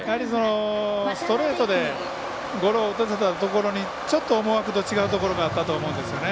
ストレートでゴロを打たせたところにちょっと思惑と違うところがあったと思うんですね。